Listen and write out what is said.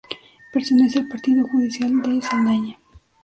Pertenece al partido judicial de Saldaña.